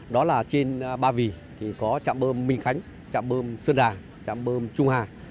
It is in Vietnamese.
đó là trên ba vì có trạm bơm minh khánh trạm bơm xuân đà trạm bơm trung hà